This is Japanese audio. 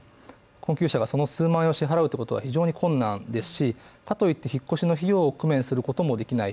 困窮者がその数万円を支払うというのは非常に困難ですし、かといって引っ越しの費用を工面することもできない。